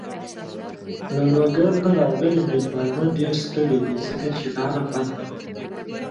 له لوګر نه راغلی مېلمانه ډېر ستړی دی. ځکه چې لاره بنده وه.